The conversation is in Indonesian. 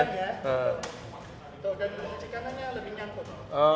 dan kondisi kanannya lebih nyamput